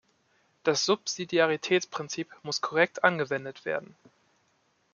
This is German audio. Das Subsidiaritätsprinzip muss korrekt angewendet werden.